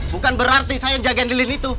bukan berarti saya jagain lilin itu